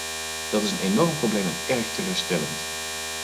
Dat is een enorm probleem en erg teleurstellend.